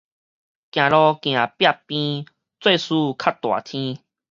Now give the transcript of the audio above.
行路行壁邊，做事較大天